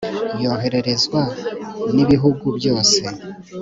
yohererezwa n'ibihugu byose